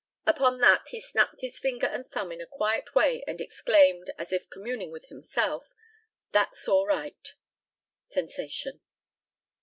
Upon that he snapped his finger and thumb in a quiet way, and exclaimed, as if communing with himself, "That's all right." (Sensation.)